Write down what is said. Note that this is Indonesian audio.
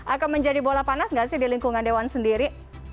akan menjadi bola panas nggak sih di lingkungan dewan sendiri